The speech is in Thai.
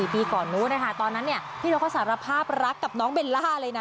ปีก่อนนู้นนะคะตอนนั้นพี่นกเขาสารภาพรักกับน้องเบลล่าเลยนะ